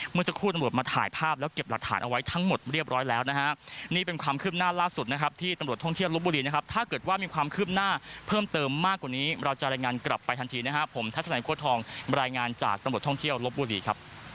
เมื่อสักครู่ตำรวจมาถ่ายภาพแล้วเก็บหลักฐานเอาไว้ทั้งหมดเรียบร้อยแล้วนะฮะนี่เป็นความคืบหน้าล่าสุดนะครับที่ตำรวจท่องเที่ยวลบบุรีนะครับถ้าเกิดว่ามีความคืบหน้าเพิ่มเติมมากกว่านี้เราจะรายงานกลับไปทันทีนะครับผมทัศนัยโค้ทองรายงานจากตำรวจท่องเที่ยวลบบุรีครับ